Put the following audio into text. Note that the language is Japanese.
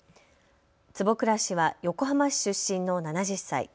坪倉氏は横浜市出身の７０歳。